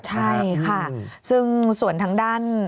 ใช่ค่ะซึ่งส่วนทางด้าน